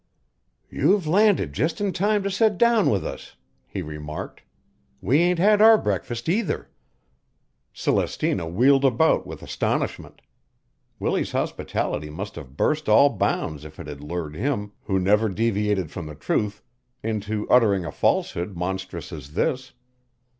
"You've landed just in time to set down with us," he remarked. "We ain't had our breakfast, either." Celestina wheeled about with astonishment. Willie's hospitality must have burst all bounds if it had lured him, who never deviated from the truth, into uttering a falsehood monstrous as this.